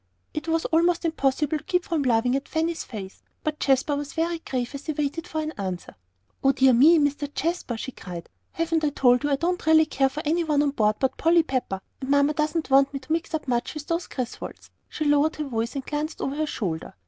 It was almost impossible to keep from laughing at Fanny's face, but Jasper was very grave as he waited for an answer. "O dear me, Mr. Jasper," she cried, "haven't I told you I don't really care for any one on board but Polly Pepper, and Mamma doesn't want me to mix up much with those Griswolds?" She lowered her voice and glanced over her shoulder.